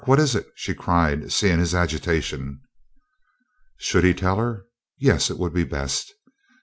What is it?" she cried, seeing his agitation. Should he tell her? Yes, it would be best.